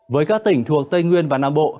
với các tỉnh thuộc tây nguyên và nam bộ